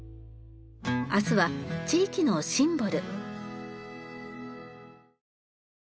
明日は地域のシンボル。